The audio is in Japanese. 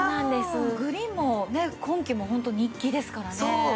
グリーンもね今季もホント人気ですからね。